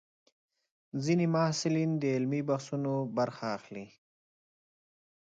ځینې محصلین د علمي بحثونو برخه اخلي.